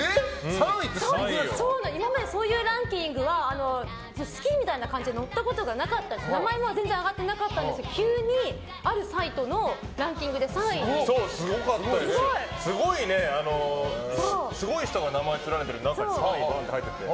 今まで、そういうランキングは好きみたいな感じで載ったことがなかったし名前も全然挙がってなかったんですけど急に、あるサイトのランキングですごい人が名前連ねてる中で３位に入っていて。